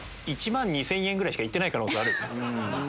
１万２０００円ぐらいしか行ってない可能性ある。